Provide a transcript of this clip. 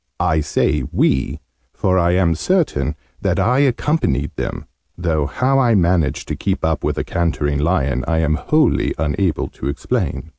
I say 'we,' for I am certain that I accompanied them though how I managed to keep up with a cantering lion I am wholly unable to explain.